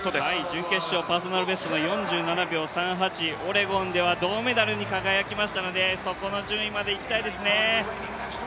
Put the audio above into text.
準決勝、パーソナルベスト４７秒３８、オレゴンでは銅メダルに輝きましたので、そこの順位まではいきたいですね。